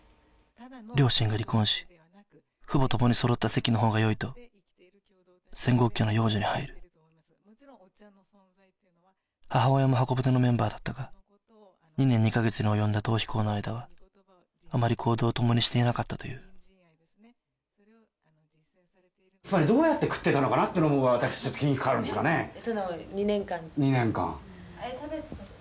両親が離婚し父母ともに揃った籍の方がよいと千石家の養女に入る母親も方舟のメンバーだったが２年２カ月に及んだ逃避行の間はあまり行動をともにしていなかったという・つまりどうやって食ってたのかってのも私達気にかかるんですが・その２年間？・２年間・食べてた？